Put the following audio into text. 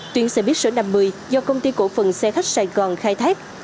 tuyến xe buýt số năm mươi do công ty cổ phần xe khách sài gòn khai thác